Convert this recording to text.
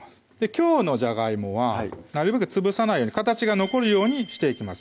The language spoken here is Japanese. きょうのじゃがいもはなるべく潰さないように形が残るようにしていきます